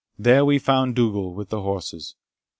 There we found Dougal with the horses.